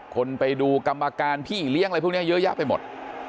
คนไปดูกรรมการพี่เลี้ยงอะไรพวกนี้เยอะแยะไปหมด